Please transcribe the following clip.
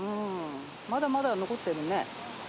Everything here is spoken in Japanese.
まだまだ残ってるね。